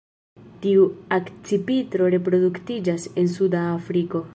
Tiu akcipitro reproduktiĝas en suda Afriko.